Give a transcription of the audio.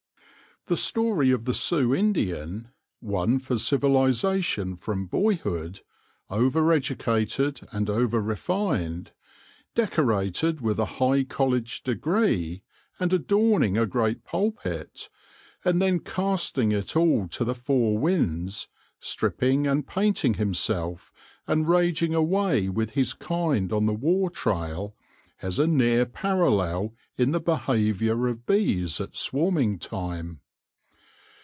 The story of the Sioux Indian— won for civilisa tion from boyhood, over educated and over refined, decorated with a high college degree and adorning a great pulpit, and then casting it all to the four winds, stripping and painting himself, and raging away with his kind on the war trail — has a near parallel in the behaviour of bees at swarming time.